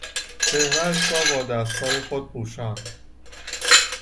چهرهاش را با دستهای خود پوشاند.